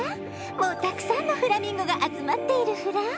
もうたくさんのフラミンゴが集まっているフラ。